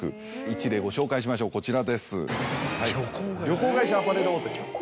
一例ご紹介しましょうこちらです。